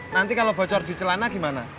nanti kalau bocor di celana gimana